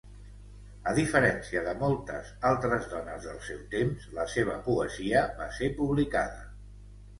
A diferència de moltes altres dones del seu temps, la seva poesia va ser publicada.